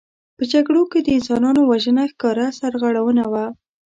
په جګړو کې د انسانانو وژنه ښکاره سرغړونه وه.